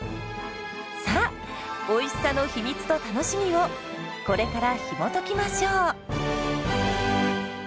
さあおいしさの秘密と楽しみをこれからひもときましょう！